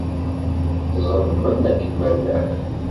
Ẓedmen akken ma llan.